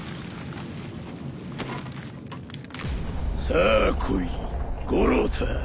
さあ来い五郎太。